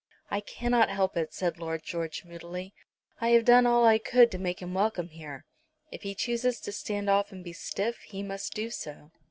"I cannot help it," said Lord George moodily. "I have done all I could to make him welcome here. If he chooses to stand off and be stiff he must do so."